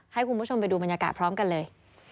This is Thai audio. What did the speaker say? ให้คุณผู้ชมไปดูบรรยากาศพร้อมกันเลย